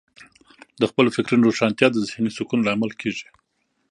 د خپلو فکرونو روښانتیا د ذهنې سکون لامل کیږي.